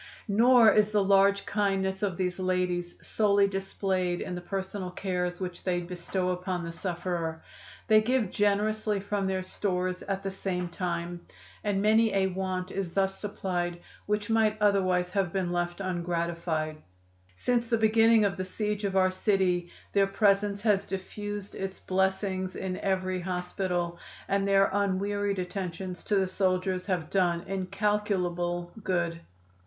Nor is the large kindness of these ladies solely displayed in the personal cares which they bestow upon the sufferer. They give generously from their stores at the same time, and many a want is thus supplied which might otherwise have been left ungratified. Since the beginning of the siege of our city their presence has diffused its blessings in every hospital, and their unwearied attentions to the soldiers have done incalculable good."